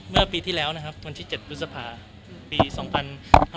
เมื่อปีที่แล้วนะครับวันที่๗บุษภาปี๒๕๖๐ครับผม